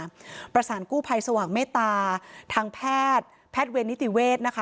ประสานกู้ภัยสว่างเมตตาทางแพทย์แพทย์เวรนิติเวศนะคะ